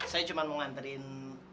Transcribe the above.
saya cuma mau mengantarkan